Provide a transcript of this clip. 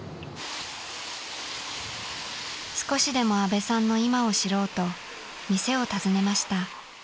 ［少しでも阿部さんの今を知ろうと店を訪ねました］